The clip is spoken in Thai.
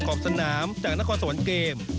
ขอบสนามจากนครสวรรค์เกม